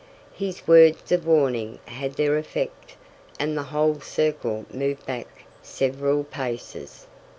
His words of warning had their effect, and the whole circle moved back several paces.